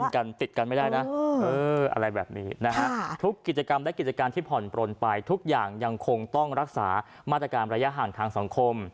กันติดกันไม่ได้นะอะไรแบบนี้นะฮะทุกกิจกรรมและกิจการที่ผ่อนปลนไปทุกอย่างยังคงต้องรักษามาตรการระยะห่างทางสังคม